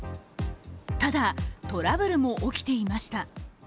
ただ、トラブルも起きていました。